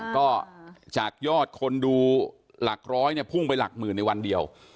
ก็จากยอดคนดูหลักร้อยเนี่ยพุ่งไปหลักหมื่นในวันเดียว